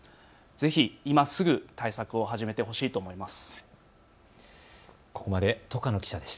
ぜひ今すぐ、対策を始めてほしいと思います。